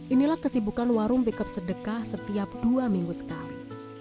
inilah kesibukan warung pickup sedekah setiap dua minggu sekali